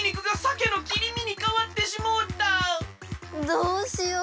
どうしよう！